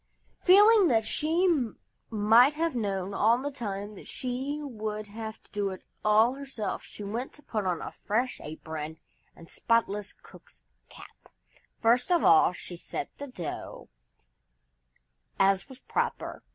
Feeling that she might have known all the time that she would have to do it all herself, she went and put on a fresh apron and spotless cook's cap. First of all she set the dough, as was proper.